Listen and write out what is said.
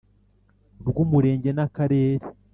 rw Umurenge n Akarere